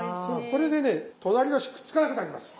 これでね隣同士くっつかなくなります。